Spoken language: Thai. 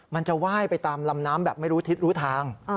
มันจะไหว้ไปตามลำน้ำแบบไม่รู้ทิศรู้ทาง